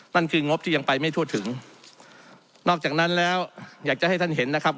นั่นคืองบที่ยังไปไม่ทั่วถึงนอกจากนั้นแล้วอยากจะให้ท่านเห็นนะครับ